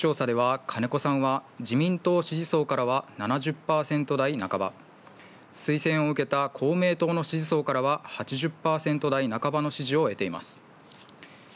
ＮＨＫの出口調査では金子さんは、自民支持層からは、７０％代半ば。推薦を受けた公明党の支持層からは、８０％代半ばの支持を得ています。